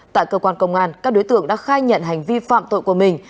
tại cơ quan công an các đối tượng đã khai nhận hành vi phạm tội của mình